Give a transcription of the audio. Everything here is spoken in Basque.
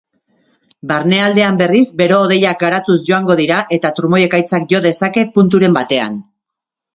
Barnealdean berriz, bero-hodeiak garatuz joango dira eta trumoi-ekaitzak jo dezake punturen batean.